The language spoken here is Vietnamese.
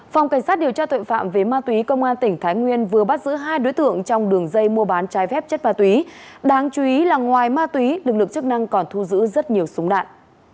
phòng cảnh sát điều tra tội phạm về ma túy công an tỉnh thái nguyên vừa bắt giữ hai đối tượng trong đường dây mua bán trái phép chất ma túy đáng chú ý là ngoài ma túy lực lượng chức năng còn thu giữ rất nhiều súng đạn